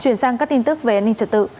chuyển sang các tin tức về an ninh trật tự